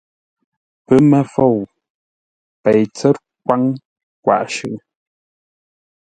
Pəmə́fou, Pei tsə́t kwáŋ kwaʼ shʉʼʉ.